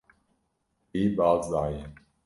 Wî baz daye.